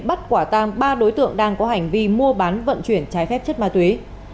bắt quả tang ba đối tượng đang có hành vi mua bán vận chuyển trái phép chất ma túy